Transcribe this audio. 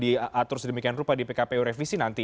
diatur sedemikian rupa di pkpu revisi nanti